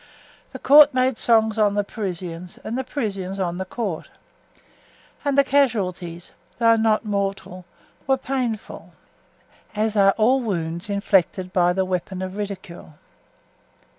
The court made songs on the Parisians and the Parisians on the court; and the casualties, though not mortal, were painful, as are all wounds inflicted by the weapon of ridicule.